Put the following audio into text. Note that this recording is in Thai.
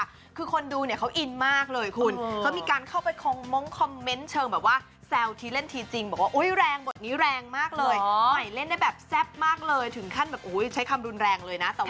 คนนึกดูเขาอินมากเลยเค้ามีการเข้าไปมมกคอมเมนเขิงแซวทีเด้นทีจริง